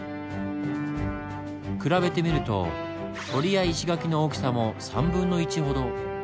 比べてみると堀や石垣の大きさも３分の１ほど。